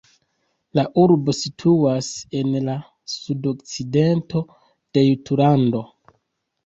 La urbo situas en la sudokcidento de Jutlando.